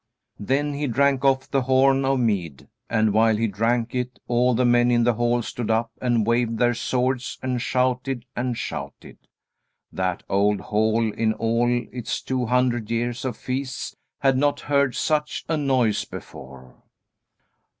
Then he drank off the horn of mead, and while he drank it, all the men in the hall stood up and waved their swords and shouted and shouted. That old hall in all its two hundred years of feasts had not heard such a noise before.